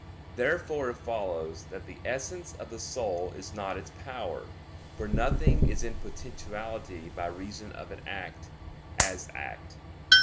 Therefore it follows that the essence of the soul is not its power. For nothing is in potentiality by reason of an act, as act.